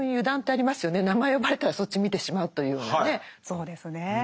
そうですね。